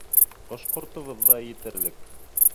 Ҡош-ҡортобоҙ ҙа етерлек.